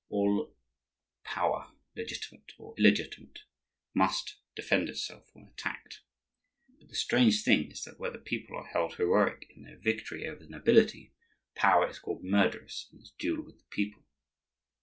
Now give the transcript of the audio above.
All power, legitimate or illegitimate, must defend itself when attacked; but the strange thing is that where the people are held heroic in their victory over the nobility, power is called murderous in its duel with the people.